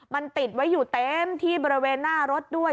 มันติดไว้อยู่เต็มที่บริเวณหน้ารถด้วย